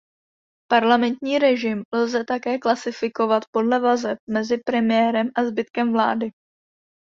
Parlamentní režim lze také klasifikovat podle vazeb mezi premiérem a zbytkem vlády.